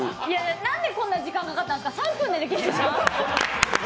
なんでこんな時間かかったのか、３分でできるでしょ。